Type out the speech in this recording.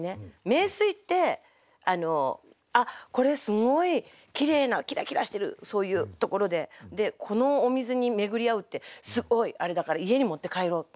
名水ってあっこれすごいきれいなキラキラしてるそういうところでこのお水に巡り会うってすごいあれだから家に持って帰ろう。